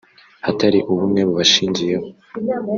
hatari ubumwe bubashingiyeho